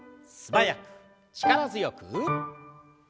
素早く力強く。